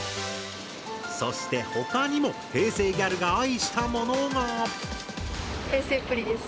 そして他にも平成ギャルが愛したものが。